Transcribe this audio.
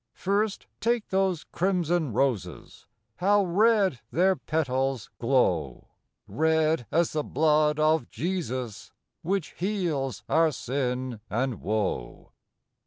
First, take those crimson roses, — How red their petals glow ! Red as the blood of Jesus, Which heals our sin and woe.